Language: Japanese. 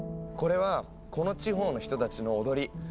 これはこの地方の人たちの踊り。